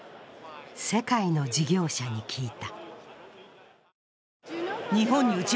世界の事業者に聞いた。